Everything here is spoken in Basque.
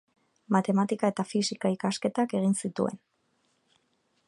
Matematika eta fisika ikasketak egin zituen.